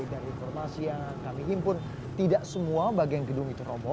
dari informasi yang kami himpun tidak semua bagian gedung itu robo